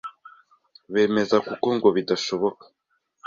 bemeza kuko ngo bidashoboka.